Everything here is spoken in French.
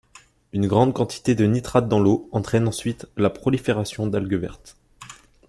Une grande quantité de nitrates dans l'eau entraîne ensuite la prolifération d'algues vertes.